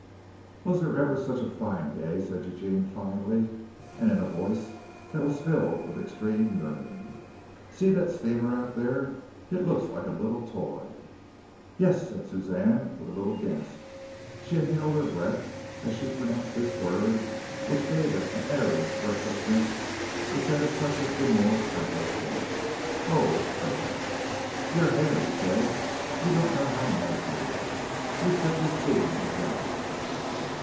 "Was there ever such a day?" said Eugene finally, and in a voice that was filled with extreme yearning. "See that steamer out there. It looks like a little toy." "Yes," said Suzanne with a little gasp. She inhaled her breath as she pronounced this word which gave it an airy breathlessness which had a touch of demure pathos in it. "Oh, it is perfect." "Your hair," he said. "You don't know how nice you look. You fit this scene exactly."